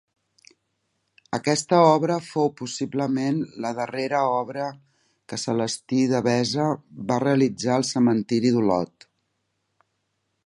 Aquesta obra fou possiblement la darrera obra que Celestí Devesa va realitzar al cementiri d'Olot.